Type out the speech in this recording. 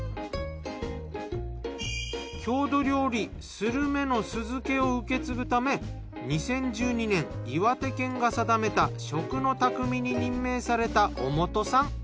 スルメの酢漬けを受け継ぐため２０１２年岩手県が定めた食の匠に任命された小本さん。